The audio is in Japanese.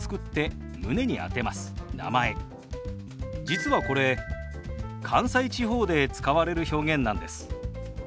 実はこれ関西地方で使われる表現なんです。